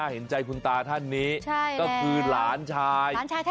เห็นใจคุณตาท่านนี้ก็คือหลานชาย